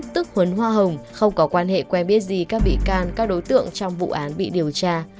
tức huấn hoa hồng không có quan hệ quen biết gì các bị can các đối tượng trong vụ án bị điều tra